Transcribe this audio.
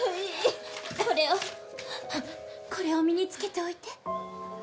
これをこれを身につけておいて。